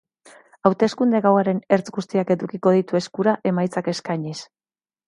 Hauteskunde gauaren ertz guztiak edukiko ditu eskura emaitzak eskainiz.